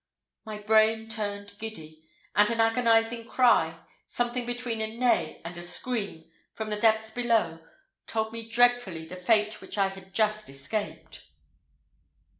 My brain turned giddy, and an agonising cry, something between a neigh and a scream, from the depth below, told me dreadfully the fate which I had just escaped.